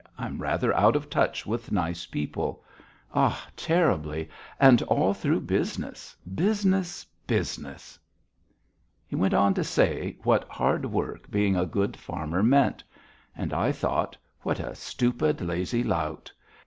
I'm rather out of touch with nice people. Ah! terribly. And all through business, business, business!" He went on to say what hard work being a good farmer meant. And I thought: What a stupid, lazy lout!